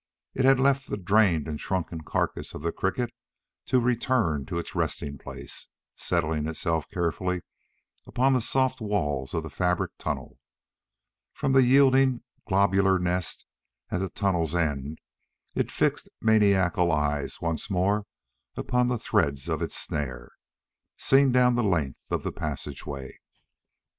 It had left the drained and shrunken carcass of the cricket to return to its resting place, settling itself carefully upon the soft walls of the fabric tunnel. From the yielding, globular nest at the tunnel's end it fixed maniacal eyes once more upon the threads of its snare, seen down the length of the passage way.